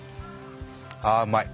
あうまい。